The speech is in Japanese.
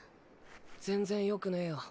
全然よくねぇよ。